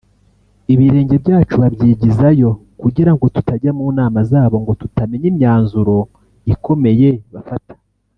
ibirenge byacu babyigizayo kugirango tutajya mu nama zabo ngo tutamenya imyanzuro ikomeye bafata